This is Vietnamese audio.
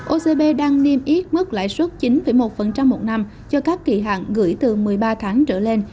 ocb đang niêm yết mức lãi suất chín một một năm cho các kỳ hạn gửi từ một mươi ba tháng trở lên